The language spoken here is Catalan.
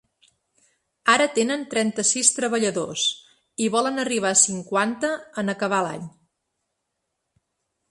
Ara tenen trenta-sis treballadors i volen arribar a cinquanta en acabar l’any.